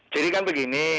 jadi kan begini